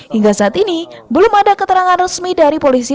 hingga saat ini belum ada keterangan resmi dari polisi